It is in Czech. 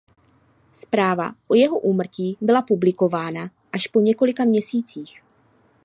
Zpráva o jeho úmrtí byla publikována až po několika měsících.